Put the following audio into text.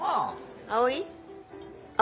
葵！